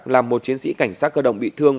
làm một chiến sĩ cảnh sát cơ động bị thương